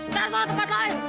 cari tempat lain